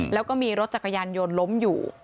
แล้วก็มีรถจักรยานยนต์ล้มอยู่